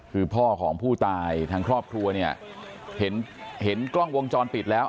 คือพ่อของผู้ตายทางครอบครัวเนี่ยเห็นกล้องวงจรปิดแล้ว